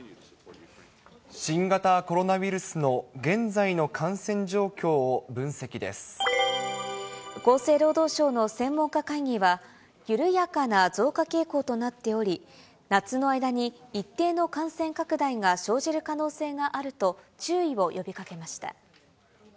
新型コロナウイルスの現在の厚生労働省の専門家会議は、緩やかな増加傾向となっており、夏の間に一定の感染拡大が生じる可能性があると、注意を呼びかけました。